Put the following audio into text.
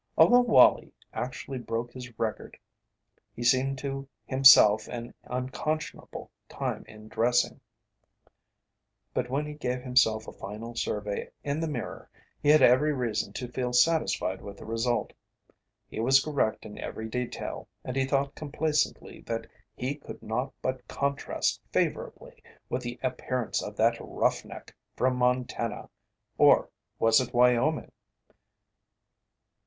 Although Wallie actually broke his record he seemed to himself an unconscionable time in dressing, but when he gave himself a final survey in the mirror, he had every reason to feel satisfied with the result. He was correct in every detail and he thought complacently that he could not but contrast favourably with the appearance of that "roughneck" from Montana or was it Wyoming?